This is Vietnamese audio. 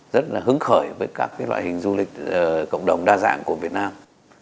rất là hứng khởi với các loại hình du lịch cộng đồng đa dạng của việt nam